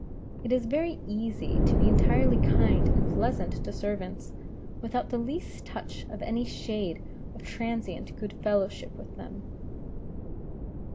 It is very easy to be entirely kind and pleasant to servants, without the least touch of any shade of transient good fellowship with them."